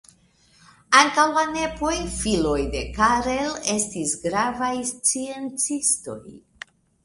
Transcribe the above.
Ankaŭ la nepoj, filoj de Karel, estis gravaj sciencistoj.